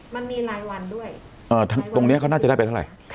มันมีหลายวันด้วยเอ่อตรงเนี้ยเขาน่าจะได้เป็นเท่าไร